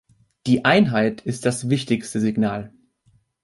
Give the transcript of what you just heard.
Die Einheit ist das wichtigste Signal.